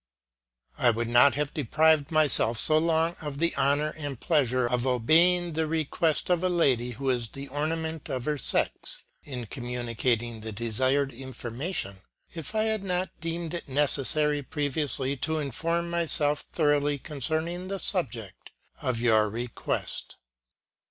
*" I would not have deprived myself so long of the honour and pleasure of obeying the request of a lady who is the ornament of her sex, in communicating the desired information, if I had not deemed it necessary previously to inform myself thoroughly concern ing the subject of your request.